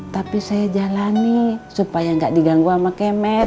tapi saya jalani supaya gak diganggu sama kemen